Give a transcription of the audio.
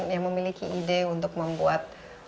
yang memiliki ide untuk membuat